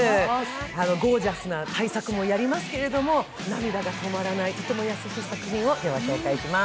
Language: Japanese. ゴージャスな大作もやりますけれども、涙が止まらない、とても優しい作品を今日はご紹介します。